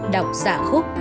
đọc giả khúc